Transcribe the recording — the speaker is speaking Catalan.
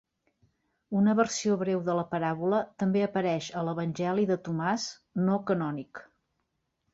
Una versió breu de la paràbola també apareix a l'Evangeli de Tomàs, no canònic.